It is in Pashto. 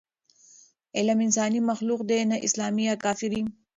علم انساني مخلوق دی، نه اسلامي یا کافري.